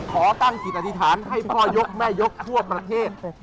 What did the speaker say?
ขอตั้งจิตอธิษฐานให้พ่อยกแม่ยกทั่วประเทศ